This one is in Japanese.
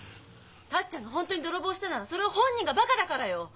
達ちゃんが本当に泥棒したならそれは本人がバカだからよ！